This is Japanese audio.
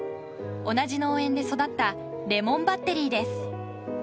同じ農園で育ったレモンバッテリーです。